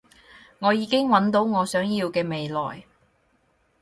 我已經搵到我想要嘅未來